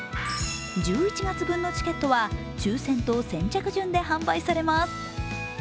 １１月分のチケットは抽選と先着順で販売されます。